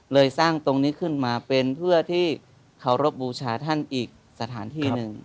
สร้างตรงนี้ขึ้นมาเป็นเพื่อที่เคารพบูชาท่านอีกสถานที่หนึ่ง